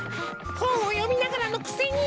ほんをよみながらのくせに！